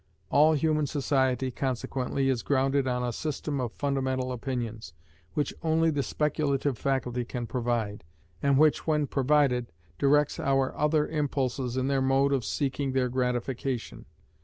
All human society, consequently, is grounded on a system of fundamental opinions, which only the speculative faculty can provide, and which when provided, directs our other impulses in their mode of seeking their gratification.